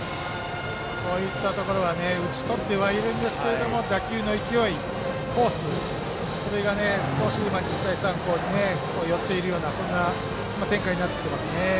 こういったところは打ち取ってはいるんですけど打球の勢い、コースが日大三高は寄っているようなそんな展開になってますね。